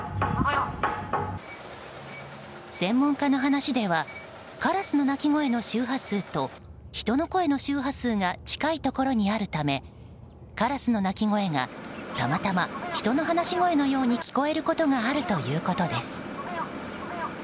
専門家の話ではカラスの鳴き声の周波数と人の声の周波数が近いところにあるためカラスの鳴き声がたまたま人の話し声のように聞こえることがあるということです。